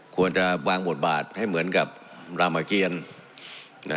ควรจะวางบทบาทให้เหมือนกับรามเกียร